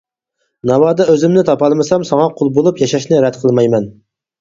ناۋادا، ئۆزۈمنى تاپالمىسام ساڭا قۇل بولۇپ ياشاشنى رەت قىلمايمەن.